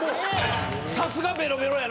さすがベロベロやな。